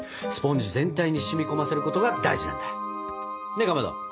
スポンジ全体に染み込ませることが大事なんだ。